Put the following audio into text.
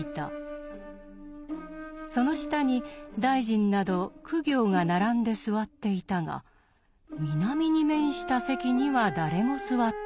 その下に大臣など公卿が並んで座っていたが南に面した席には誰も座っていない。